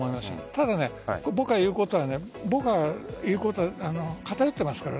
ただ、僕が言うことは偏ってますから。